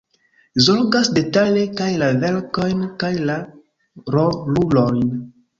Zorgas detale kaj la verkojn kaj la rolulojn.